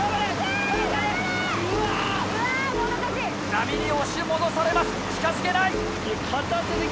波に押し戻されます近づけない。